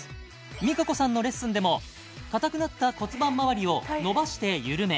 Ｍｉｃａｃｏさんのレッスンでも硬くなった骨盤まわりを伸ばして緩め